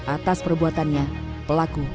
atas perbuatannya pelaku